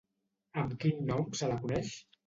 Amb quin nom se la coneix?